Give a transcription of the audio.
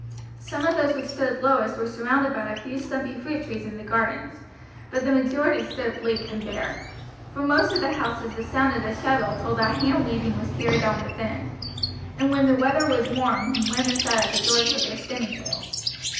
Some of those which stood lowest were surrounded by a few stumpy fruit trees in the gardens, but the majority stood bleak and bare. From most of the houses the sound of the shuttle told that hand weaving was carried on within, and when the weather was warm women sat at the doors with their spinning wheels.